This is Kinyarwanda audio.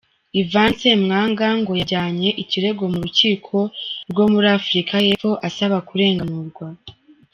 Yvan Ssemwanga ngo yajyanye ikirego mu rukiko rwo muri Afurika y’Epfo asaba kurenganurwa.